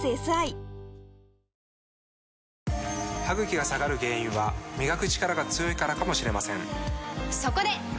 ＪＴ歯ぐきが下がる原因は磨くチカラが強いからかもしれませんそこで！